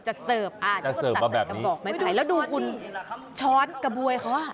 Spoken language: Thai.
จะก็ตัดเสิร์ฟออกไม้สายแล้วดูคุณชอตกระบวยเขาอ่ะ